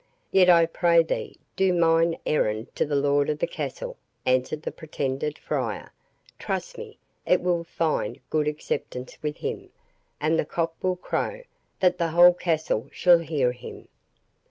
"Yet I pray thee, do mine errand to the lord of the castle," answered the pretended friar; "trust me it will find good acceptance with him, and the cock shall crow, that the whole castle shall hear him."